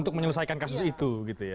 untuk menyelesaikan kasus itu gitu ya